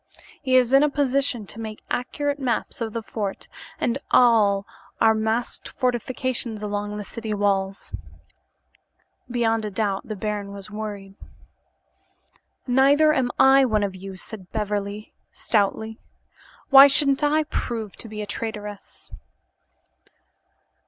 He is in a position to make accurate maps of the fort and of all our masked fortifications along the city walls." Beyond a doubt, the baron was worried. "Neither am I one of you," said Beverly stoutly. "Why shouldn't I prove to be a traitress?"